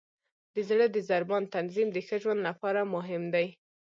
د زړه د ضربان تنظیم د ښه ژوند لپاره مهم دی.